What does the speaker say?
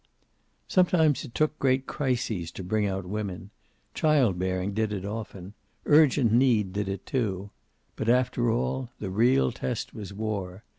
Some times it took great crises to bring out women. Child bearing did it, often. Urgent need did it, too. But after all the real test was war.